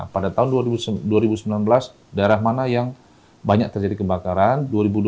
pada tahun dua ribu sembilan belas daerah mana yang banyak terjadi kebakaran